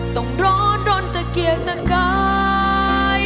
ต้องร้อนรนตะเกียกตะกาย